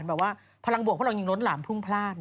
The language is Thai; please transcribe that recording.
แบบว่าพลังบวกพวกเรายังล้นหลามพุ่งพลาด